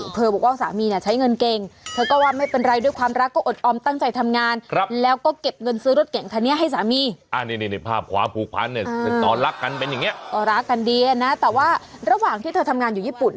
ต่อรักกันเป็นอย่างนี้ต่อรักกันดีนะแต่ว่าระหว่างที่เธอทำงานอยู่ญี่ปุ่น